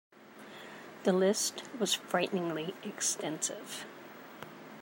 The list was frighteningly extensive.